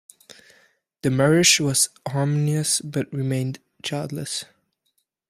The marriage was harmonious but remained childless.